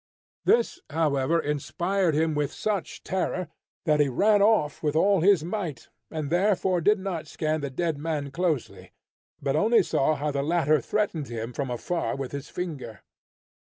This, however, inspired him with such terror, that he ran off with all his might, and therefore did not scan the dead man closely, but only saw how the latter threatened him from afar with his finger.